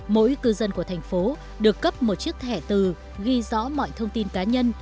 mỗi cư dân của thành phố được cấp một chiếc thẻ từ ghi rõ mọi thông tin cá nhân